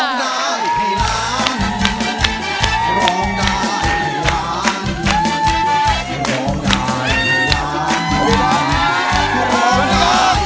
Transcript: สวัสดีค่ะ